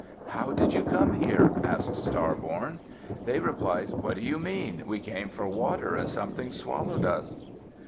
"How did you come here?" asked Star born. They replied, "What do you mean? We came for water and something swallowed us."